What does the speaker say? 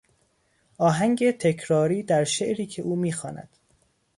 آهنگ تکراری در شعری که او میخواند.